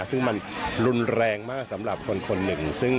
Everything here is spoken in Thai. ซึ่งมันรุนแรงมากสำหรับคนหนึ่ง